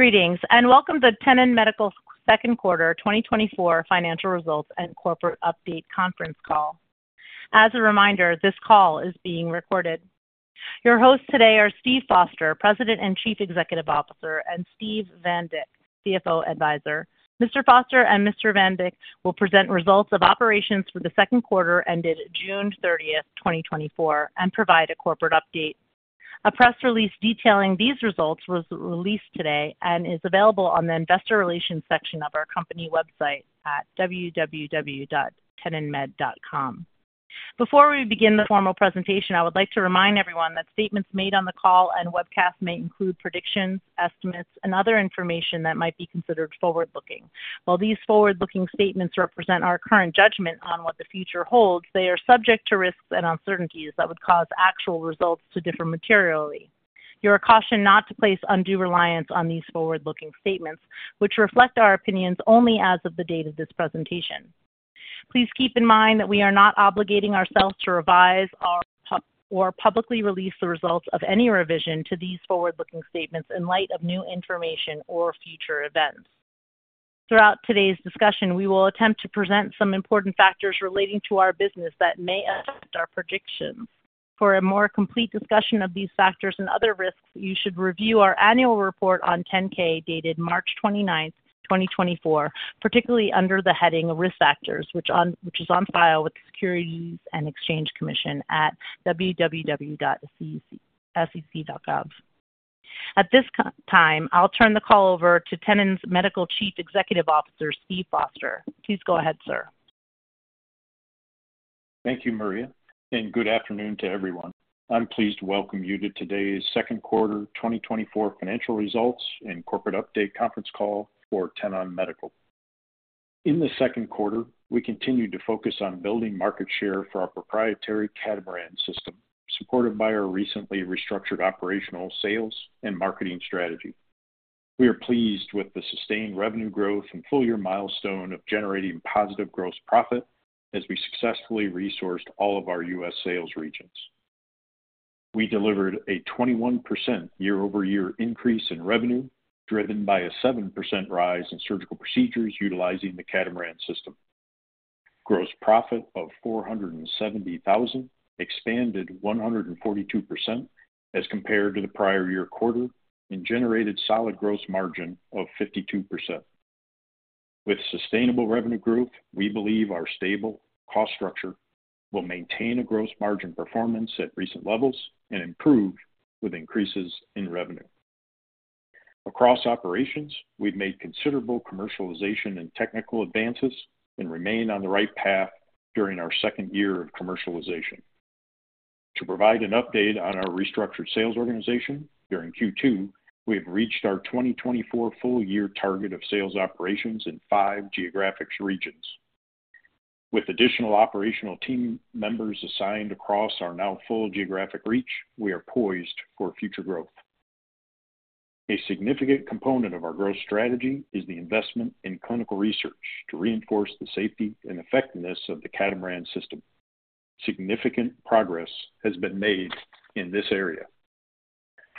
Greetings, and welcome to the Tenon Medical Q2 2024 financial results and corporate update conference call. As a reminder, this call is being recorded. Your hosts today are Steve Foster, President and Chief Executive Officer, and Steve Van Dyck, CFO Advisor. Mr. Foster and Mr. Van Dyck will present results of operations for the Q2 ended June 30, 2024, and provide a corporate update. A press release detailing these results was released today and is available on the investor relations section of our company website at www.tenonmed.com. Before we begin the formal presentation, I would like to remind everyone that statements made on the call and webcast may include predictions, estimates, and other information that might be considered forward-looking. While these forward-looking statements represent our current judgment on what the future holds, they are subject to risks and uncertainties that would cause actual results to differ materially. You are cautioned not to place undue reliance on these forward-looking statements, which reflect our opinions only as of the date of this presentation. Please keep in mind that we are not obligating ourselves to revise or publicly release the results of any revision to these forward-looking statements in light of new information or future events. Throughout today's discussion, we will attempt to present some important factors relating to our business that may affect our predictions. For a more complete discussion of these factors and other risks, you should review our annual report on 10-K, dated March 29th, 2024, particularly under the heading Risk Factors, which is on file with the Securities and Exchange Commission at www.sec.gov. At this time, I'll turn the call over to Tenon Medical's Chief Executive Officer, Steve Foster. Please go ahead, sir. Thank you, Maria, and good afternoon to everyone. I'm pleased to welcome you to today's Q2 2024 financial results and corporate update conference call for Tenon Medical. In the Q2, we continued to focus on building market share for our proprietary Catamaran system, supported by our recently restructured operational sales and marketing strategy. We are pleased with the sustained revenue growth and full-year milestone of generating positive gross profit as we successfully resourced all of our U.S. sales regions. We delivered a 21% year-over-year increase in revenue, driven by a 7% rise in surgical procedures utilizing the Catamaran system. Gross profit of $470,000 expanded 142% as compared to the prior year quarter and generated solid gross margin of 52%. With sustainable revenue growth, we believe our stable cost structure will maintain a gross margin performance at recent levels and improve with increases in revenue. Across operations, we've made considerable commercialization and technical advances and remain on the right path during our second year of commercialization. To provide an update on our restructured sales organization, during Q2, we have reached our 2024 full-year target of sales operations in five geographic regions. With additional operational team members assigned across our now full geographic reach, we are poised for future growth. A significant component of our growth strategy is the investment in clinical research to reinforce the safety and effectiveness of the Catamaran system. Significant progress has been made in this area.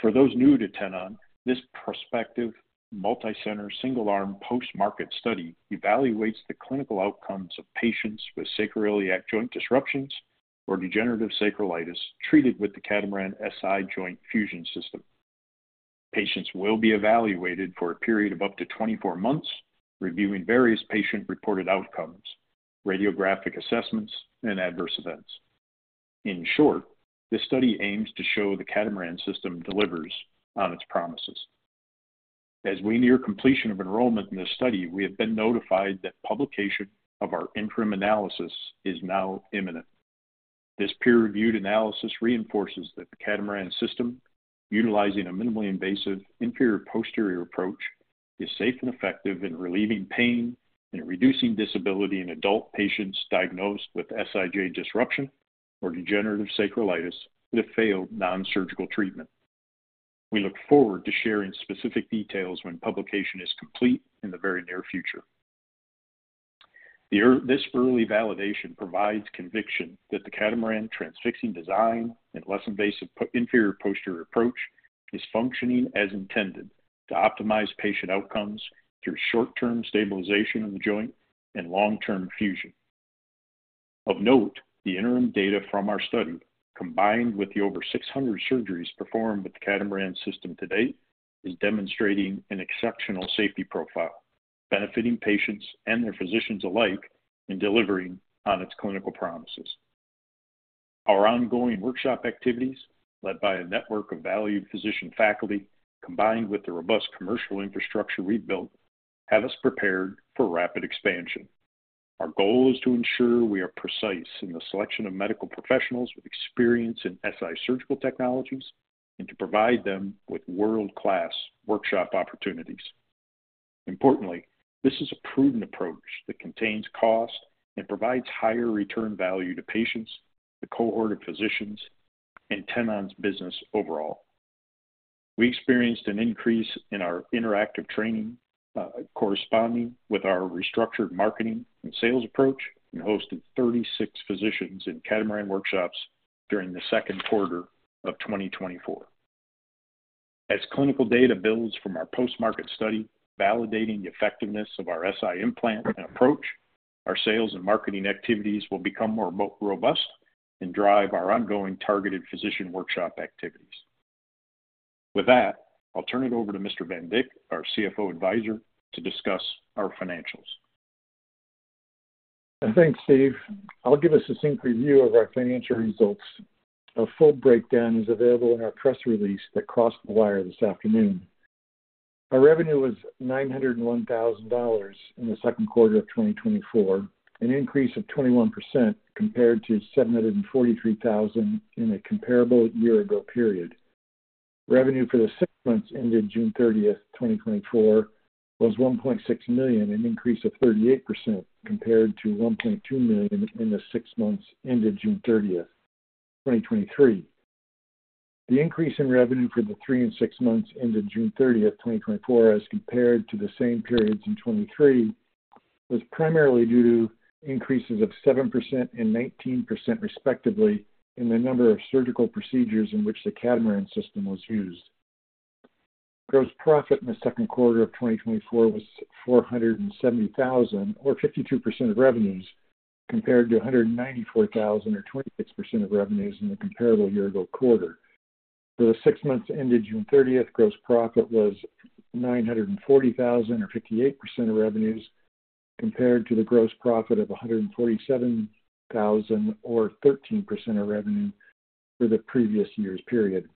For those new to Tenon, this prospective, multicenter, single-arm, post-market study evaluates the clinical outcomes of patients with sacroiliac joint disruptions or degenerative sacroiliitis treated with the Catamaran SI Joint Fusion System. Patients will be evaluated for a period of up to 24 months, reviewing various patient-reported outcomes, radiographic assessments, and adverse events. In short, this study aims to show the Catamaran system delivers on its promises. As we near completion of enrollment in this study, we have been notified that publication of our interim analysis is now imminent. This peer-reviewed analysis reinforces that the Catamaran system, utilizing a minimally invasive inferior posterior approach, is safe and effective in relieving pain and reducing disability in adult patients diagnosed with SIJ disruption or degenerative sacroiliitis with a failed non-surgical treatment. We look forward to sharing specific details when publication is complete in the very near future. This early validation provides conviction that the Catamaran transfixing design and less invasive inferior posterior approach is functioning as intended to optimize patient outcomes through short-term stabilization of the joint and long-term fusion. Of note, the interim data from our study, combined with the over 600 surgeries performed with the Catamaran system to date, is demonstrating an exceptional safety profile, benefiting patients and their physicians alike in delivering on its clinical promises. Our ongoing workshop activities, led by a network of valued physician faculty, combined with the robust commercial infrastructure we've built, have us prepared for rapid expansion. Our goal is to ensure we are precise in the selection of medical professionals with experience in SI surgical technologies and to provide them with world-class workshop opportunities. Importantly, this is a prudent approach that contains cost and provides higher return value to patients, the cohort of physicians, and Tenon's business overall. We experienced an increase in our interactive training, corresponding with our restructured marketing and sales approach, and hosted 36 physicians in Catamaran workshops during the Q2 of 2024. As clinical data builds from our post-market study, validating the effectiveness of our SI implant and approach, our sales and marketing activities will become more robust and drive our ongoing targeted physician workshop activities. With that, I'll turn it over to Mr. Van Dyck, our CFO advisor, to discuss our financials. Thanks, Steve. I'll give a succinct review of our financial results. A full breakdown is available in our press release that crossed the wire this afternoon. Our revenue was $901,000 in the Q2 of 2024, an increase of 21% compared to $743,000 in the comparable year-ago period. Revenue for the six months ended June 30, 2024, was $1.6 million, an increase of 38% compared to $1.2 million in the six months ended June 30, 2023. The increase in revenue for the three and six months ended June 30, 2024, as compared to the same periods in 2023, was primarily due to increases of 7% and 19%, respectively, in the number of surgical procedures in which the Catamaran system was used. Gross profit in the Q2 of 2024 was $470,000, or 52% of revenues, compared to $194,000, or 26% of revenues, in the comparable year-ago quarter. For the six months ended June thirtieth, gross profit was $940,000, or 58% of revenues, compared to the gross profit of $147,000, or 13% of revenue, for the previous year's period.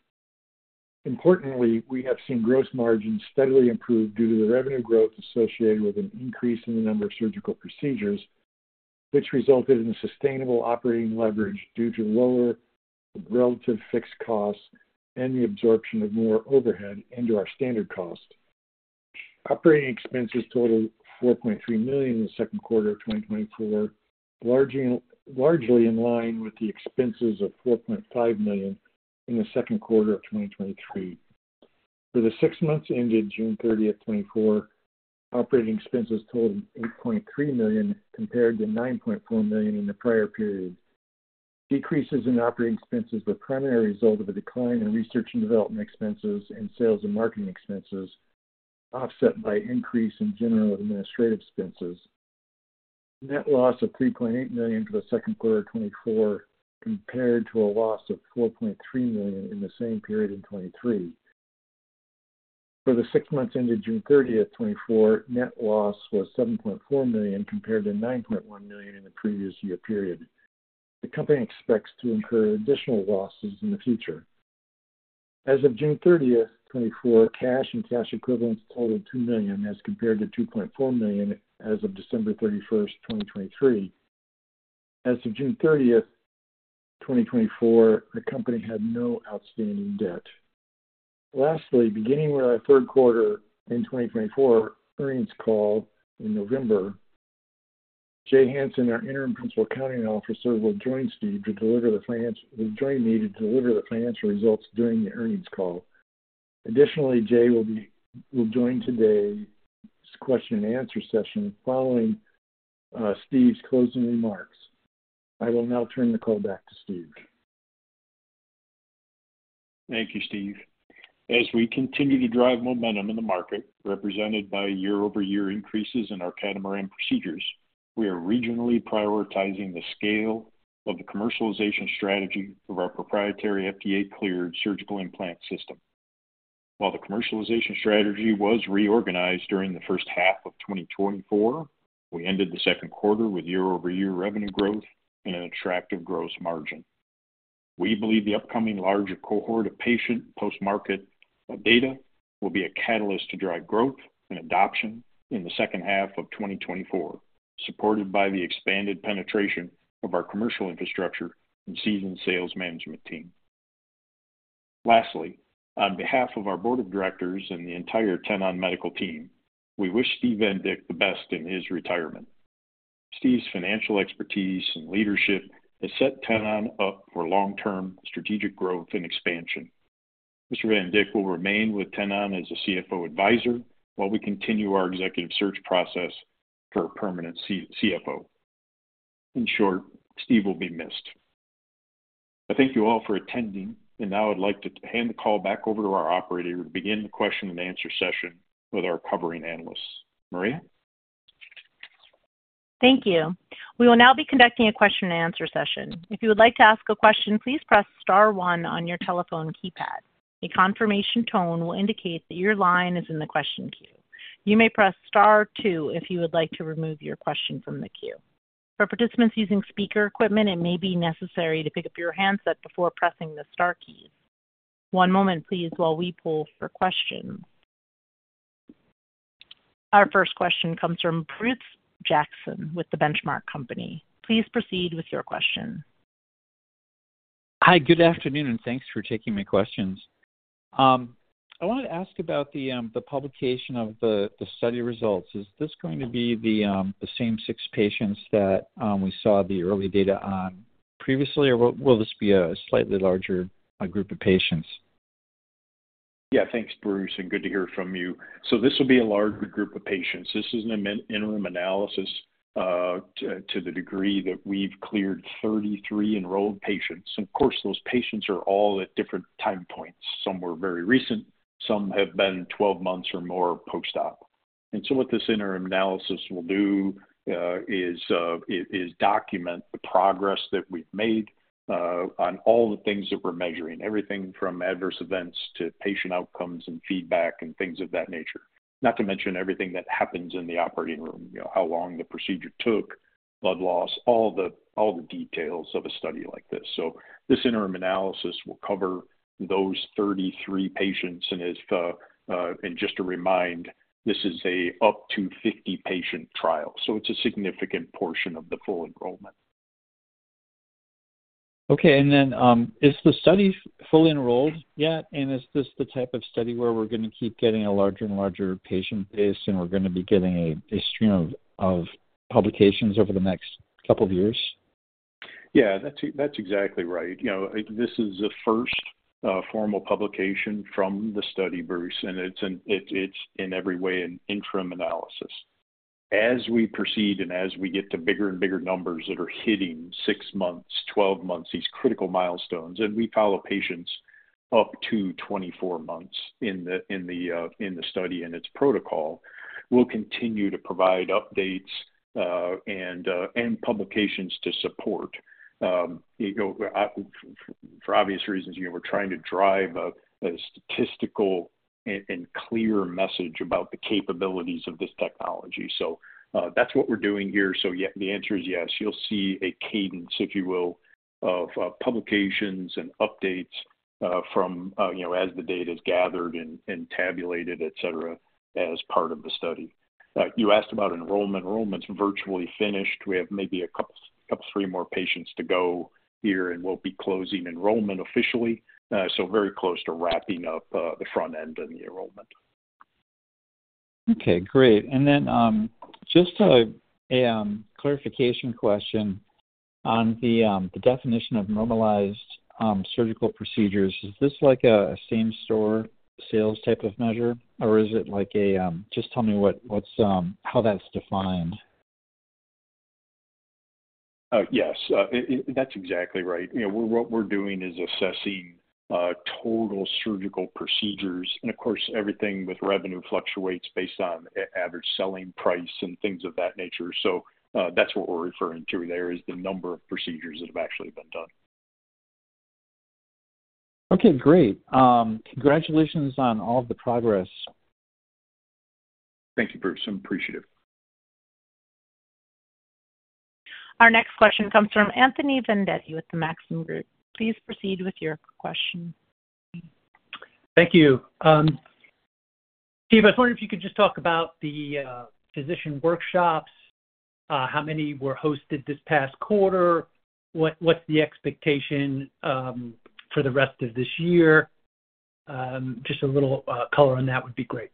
Importantly, we have seen gross margins steadily improve due to the revenue growth associated with an increase in the number of surgical procedures, which resulted in a sustainable operating leverage due to lower relative fixed costs and the absorption of more overhead into our standard cost. Operating expenses totaled $4.3 million in the Q2 of 2024, largely in line with the expenses of $4.5 million in the Q2 of 2023. For the six months ended June 30, 2024, operating expenses totaled $8.3 million, compared to $9.4 million in the prior period. Decreases in operating expenses were primarily a result of a decline in research and development expenses and sales and marketing expenses, offset by increase in general and administrative expenses. Net loss of $3.8 million for the Q2 of 2024, compared to a loss of $4.3 million in the same period in 2023. For the six months ended June 30, 2024, net loss was $7.4 million, compared to $9.1 million in the previous year period. The company expects to incur additional losses in the future. As of June 30, 2024, cash and cash equivalents totaled $2 million, as compared to $2.4 million as of December 31, 2023. As of June 30, 2024, the company had no outstanding debt. Lastly, beginning with our Q3 in 2024 earnings call in November, Jay Hansen, our Interim Principal Accounting Officer, will join me to deliver the financial results during the earnings call. Additionally, Jay will join today's question and answer session following Steve's closing remarks. I will now turn the call back to Steve. Thank you, Steve. As we continue to drive momentum in the market, represented by year-over-year increases in our Catamaran procedures, we are regionally prioritizing the scale of the commercialization strategy of our proprietary FDA-cleared surgical implant system. While the commercialization strategy was reorganized during the first half of 2024, we ended the Q2 with year-over-year revenue growth and an attractive gross margin. We believe the upcoming larger cohort of patient post-market data will be a catalyst to drive growth and adoption in the second half of 2024, supported by the expanded penetration of our commercial infrastructure and seasoned sales management team. Lastly, on behalf of our board of directors and the entire Tenon Medical team, we wish Steve Van Dyck the best in his retirement. Steve's financial expertise and leadership has set Tenon up for long-term strategic growth and expansion. Mr. Van Dyck will remain with Tenon as a CFO advisor while we continue our executive search process for a permanent CFO. In short, Steve will be missed. I thank you all for attending, and now I'd like to hand the call back over to our operator to begin the question and answer session with our covering analysts. Maria? Thank you. We will now be conducting a question and answer session. If you would like to ask a question, please press star one on your telephone keypad. A confirmation tone will indicate that your line is in the question queue. You may press star two if you would like to remove your question from the queue. For participants using speaker equipment, it may be necessary to pick up your handset before pressing the star key. One moment, please, while we pull for questions. Our first question comes from Bruce Jackson with The Benchmark Company. Please proceed with your question. Hi, good afternoon, and thanks for taking my questions. I want to ask about the publication of the study results. Is this going to be the same six patients that we saw the early data on previously, or will this be a slightly larger group of patients? Yeah, thanks, Bruce, and good to hear from you. So this will be a larger group of patients. This is an interim analysis, to the degree that we've cleared 33 enrolled patients. Of course, those patients are all at different time points. Some were very recent, some have been 12 months or more post-op. And so what this interim analysis will do, is document the progress that we've made, on all the things that we're measuring. Everything from adverse events to patient outcomes and feedback, and things of that nature. Not to mention everything that happens in the operating room. You know, how long the procedure took, blood loss, all the details of a study like this. So this interim analysis will cover those 33 patients. And as. Just to remind, this is up to a 50-patient trial, so it's a significant portion of the full enrollment. Okay, and then, is the study fully enrolled yet? And is this the type of study where we're gonna keep getting a larger and larger patient base, and we're gonna be getting a stream of publications over the next couple of years? Yeah, that's exactly right. You know, this is the first formal publication from the study, Bruce, and it's in every way an interim analysis. As we proceed and as we get to bigger and bigger numbers that are hitting six months, 12 months, these critical milestones, and we follow patients up to 24 months in the study and its protocol, we'll continue to provide updates and publications to support. You know, for obvious reasons, you know, we're trying to drive a statistical and clear message about the capabilities of this technology. So, that's what we're doing here. So, yeah, the answer is yes. You'll see a cadence, if you will, of publications and updates from you know as the data is gathered and tabulated, et cetera, as part of the study. You asked about enrollment. Enrollment's virtually finished. We have maybe a couple, couple three more patients to go here, and we'll be closing enrollment officially. So very close to wrapping up the front end and the enrollment. Okay, great. And then, just a clarification question on the definition of normalized surgical procedures. Is this like a same-store sales type of measure, or is it like a. Just tell me what's how that's defined. Yes, that's exactly right. You know, what we're doing is assessing total surgical procedures. And of course, everything with revenue fluctuates based on average selling price and things of that nature. So, that's what we're referring to there, is the number of procedures that have actually been done. Okay, great. Congratulations on all of the progress. Thank you, Bruce. I'm appreciative. Our next question comes from Anthony Vendetti with the Maxim Group. Please proceed with your question. Thank you. Steve, I was wondering if you could just talk about the physician workshops, how many were hosted this past quarter. What’s the expectation for the rest of this year? Just a little color on that would be great.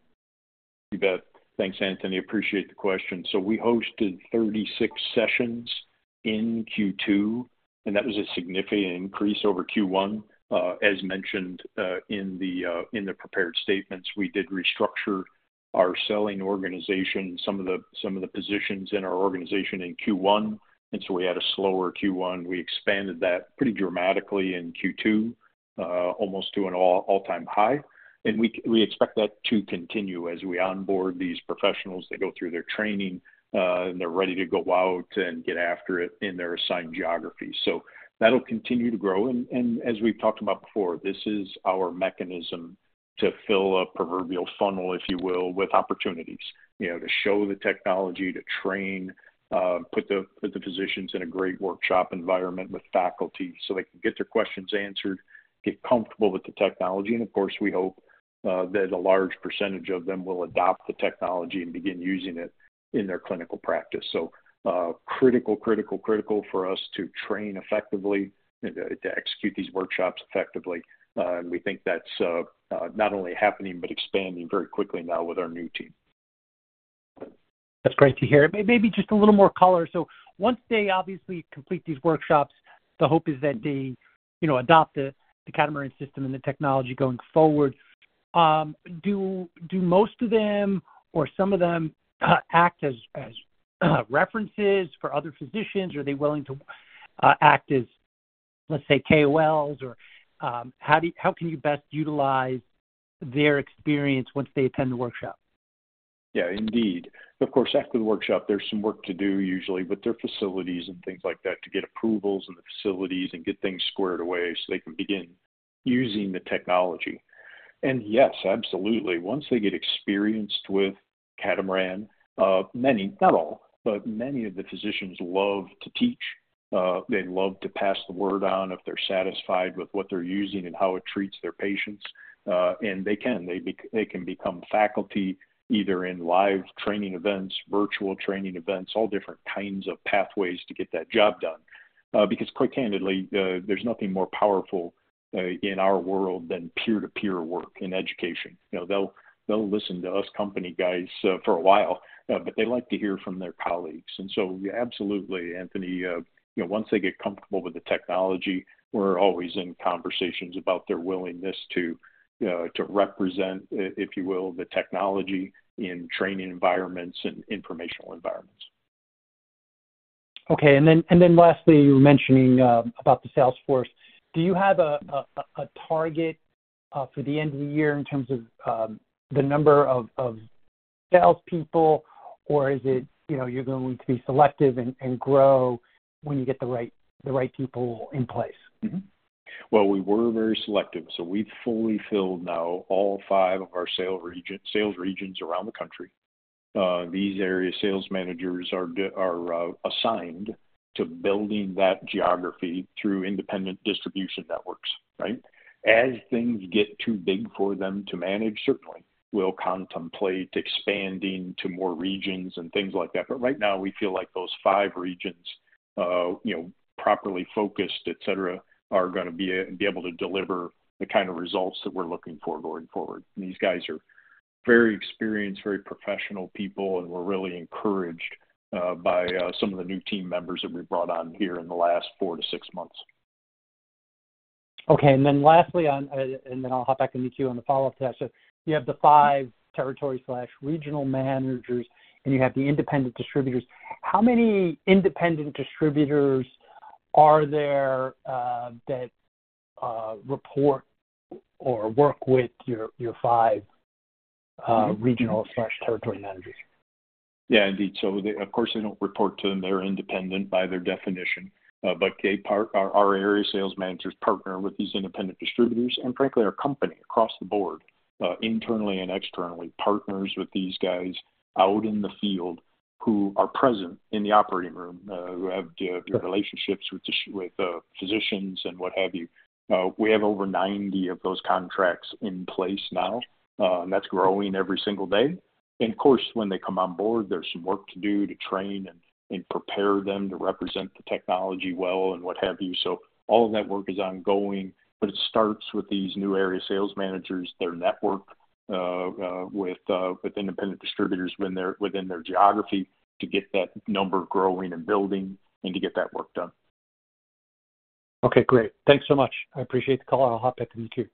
You bet. Thanks, Anthony. Appreciate the question. So we hosted 36 sessions in Q2, and that was a significant increase over Q1. As mentioned, in the prepared statements, we did restructure our selling organization, some of the, some of the positions in our organization in Q1, and so we had a slower Q1. We expanded that pretty dramatically in Q2, almost to an all, all-time high, and we, we expect that to continue as we onboard these professionals. They go through their training, and they're ready to go out and get after it in their assigned geography. So that'll continue to grow. As we've talked about before, this is our mechanism to fill a proverbial funnel, if you will, with opportunities, you know, to show the technology, to train, put the, put the physicians in a great workshop environment with faculty so they can get their questions answered, get comfortable with the technology. And of course, we hope that a large percentage of them will adopt the technology and begin using it in their clinical practice. So, critical, critical, critical for us to train effectively and to execute these workshops effectively. And we think that's not only happening but expanding very quickly now with our new team. That's great to hear. Maybe just a little more color. So once they obviously complete these workshops, the hope is that they, you know, adopt the Catamaran system and the technology going forward. Do most of them or some of them act as references for other physicians? Are they willing to act as, let's say, KOLs? Or how can you best utilize their experience once they attend the workshop? Yeah, indeed. Of course, after the workshop, there's some work to do, usually with their facilities and things like that, to get approvals and the facilities and get things squared away so they can begin using the technology. Yes, absolutely. Once they get experienced with Catamaran, many, not all, but many of the physicians love to teach. They love to pass the word on if they're satisfied with what they're using and how it treats their patients. And they can. They can become faculty, either in live training events, virtual training events, all different kinds of pathways to get that job done. Because quite candidly, there's nothing more powerful, in our world than peer-to-peer work in education. You know, they'll, they'll listen to us company guys, for a while, but they like to hear from their colleagues. Absolutely, Anthony, you know, once they get comfortable with the technology, we're always in conversations about their willingness to represent, if you will, the technology in training environments and informational environments. Okay, and then lastly, you were mentioning about the sales force. Do you have a target for the end of the year in terms of the number of salespeople? Or is it, you know, you're going to be selective and grow when you get the right people in place? Well, we were very selective, so we've fully filled now all five of our sales regions around the country. These area sales managers are assigned to building that geography through independent distribution networks, right? As things get too big for them to manage, certainly, we'll contemplate expanding to more regions and things like that. But right now, we feel like those five regions, you know, properly focused, et cetera, are gonna be able to deliver the kind of results that we're looking for going forward. These guys are very experienced, very professional people, and we're really encouraged by some of the new team members that we've brought on here in the last four to six months. Okay. And then lastly, and then I'll hop back into you on the follow-up to that. So you have the five territory slash regional managers, and you have the independent distributors. How many independent distributors are there, that report or work with your five regional slash territory managers? Yeah, indeed. So they, of course, they don't report to them. They're independent by their definition. But our area sales managers partner with these independent distributors and frankly, our company across the board, internally and externally, partners with these guys out in the field who are present in the operating room, who have the relationships with physicians and what have you. We have over 90 of those contracts in place now, and that's growing every single day. And of course, when they come on board, there's some work to do to train and prepare them to represent the technology well and what have you. So all of that work is ongoing, but it starts with these new area sales managers, their network, with independent distributors when they're within their geography, to get that number growing and building and to get that work done. Okay, great. Thanks so much. I appreciate the call. I'll hop back to you, too.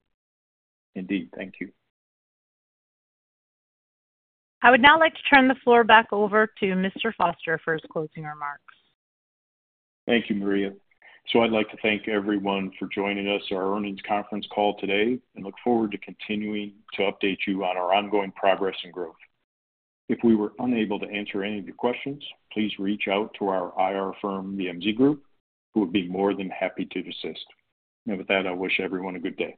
Indeed. Thank you. I would now like to turn the floor back over to Mr. Foster for his closing remarks. Thank you, Maria. I'd like to thank everyone for joining us on our earnings conference call today, and look forward to continuing to update you on our ongoing progress and growth. If we were unable to answer any of your questions, please reach out to our IR firm, MZ Group, who would be more than happy to assist. With that, I wish everyone a good day.